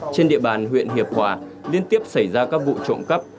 trên địa bàn huyện hiệp hòa liên tiếp xảy ra các vụ trộm cắp